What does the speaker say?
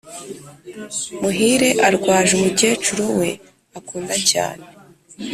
Muhire arwaje umucecuru we akunda cyane